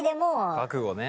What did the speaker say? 覚悟ね。